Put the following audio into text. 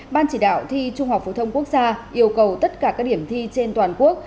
ban chỉ đạo thi trung học phổ thông quốc gia yêu cầu tất cả các điểm thi trên toàn quốc